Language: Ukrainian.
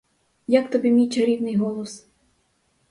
Як тобі мій чарівний голос?